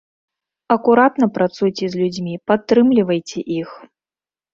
Акуратна працуйце з людзьмі, падтрымлівайце іх.